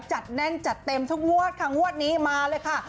จัดแน่นจัดเต็มทุกวัวดทางวัวดนี้มาเลยค่ะ